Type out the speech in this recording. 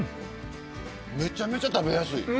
めちゃめちゃ食べやすい。